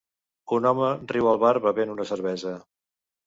Un home riu al bar bevent una cervesa